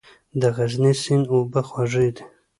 د غزني سیند اوبه خوږې دي